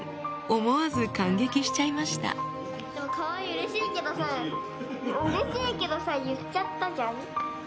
思わず感激しちゃいましたでも「かわいい」うれしいけどさうれしいけどさ言っちゃったじゃん。